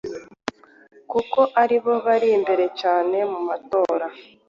kuko ari bo bari imbere cyane mu matora,